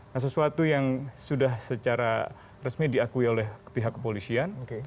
nah sesuatu yang sudah secara resmi diakui oleh pihak kepolisian